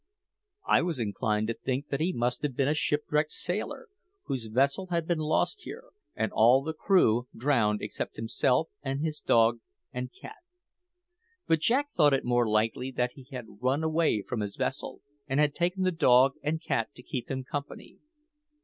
I was inclined to think that he must have been a shipwrecked sailor, whose vessel had been lost here, and all the crew been drowned except himself and his dog and cat. But Jack thought it more likely that he had run away from his vessel, and had taken the dog and cat to keep him company.